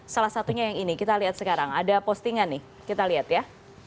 salah satunya yang ini kita lihat sekarang ada postingan nih kita lihat ya